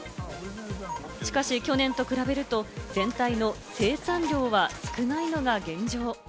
しかし去年と比べると、全体の生産量は少ないのが現状。